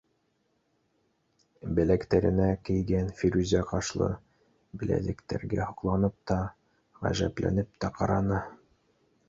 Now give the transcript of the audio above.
Беләктәренә кейгән фирүзә ҡашлы беләҙектәргә һоҡланып та, ғәжәпләнеп тә ҡараны.